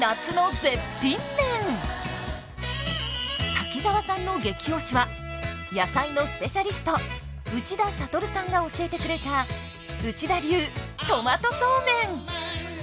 滝沢さんの激推しは野菜のスペシャリスト内田悟さんが教えてくれた内田流トマトそうめん。